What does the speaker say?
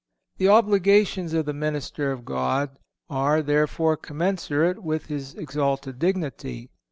The obligations of the minister of God are, therefore commensurate with his exalted dignity.